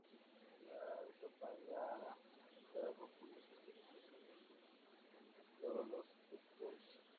Lo acompaña un perro cuyos pensamientos oyen solo los espectadores.